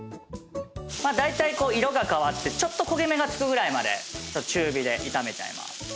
だいたい色が変わってちょっと焦げ目が付くまで中火で炒めちゃいます。